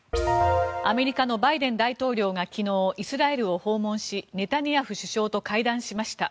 アメリカのバイデン大統領が昨日、イスラエルを訪問しネタニヤフ首相と会談しました。